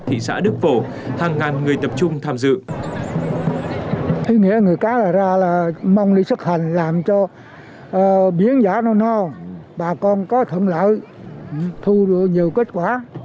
thị xã đức phổ hàng ngàn người tập trung tham dự